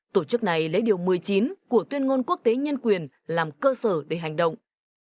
tổ chức này lấy điều một mươi chín của tuyên ngôn quốc tế nhân quyền làm cơ sở để hành động